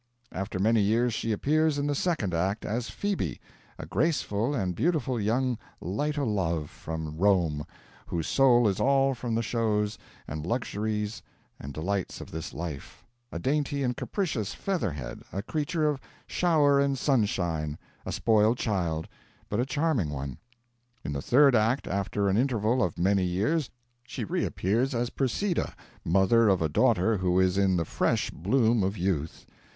After many years she appears in the second act as Phoebe, a graceful and beautiful young light o' love from Rome, whose soul is all for the shows and luxuries and delights of this life a dainty and capricious feather head, a creature of shower and sunshine, a spoiled child, but a charming one. In the third act, after an interval of many years, she reappears as Persida, mother of a daughter who is in the fresh bloom of youth.